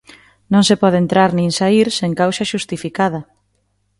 Non se pode entrar nin saír sen causa xustificada.